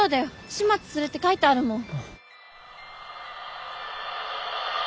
「始末する」って書いてあるもん。